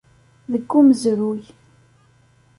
Deg umezruy.